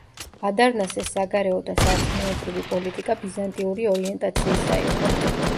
ადარნასეს საგარეო და სარწმუნოებრივი პოლიტიკა ბიზანტიური ორიენტაციისა იყო.